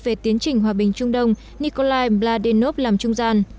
về tiến trình hòa bình trung đông nikolai vladinov làm trung gian